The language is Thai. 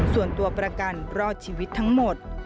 ส่วนตัวประกันรอดชีวิตทั้งหมด